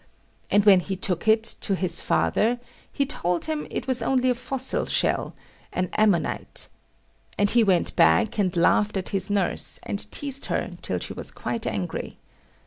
And when he took it, to his father, he told him it was only a fossil shell an Ammonite. And he went back and laughed at his nurse, and teased her till she was quite angry.